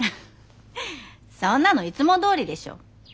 そんなのいつもどおりでしょ。